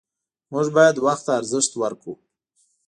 موږ باید وخت ته ارزښت ورکړو